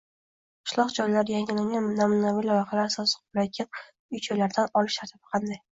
Qishloq joylarda yangilangan namunaviy loyihalar asosida qurilayotgan uy-joylardan olish tartibi qanday?